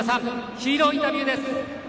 ヒーローインタビューです。